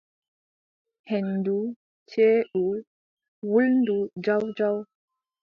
Henndu ceeɗu wulndu jaw jaw.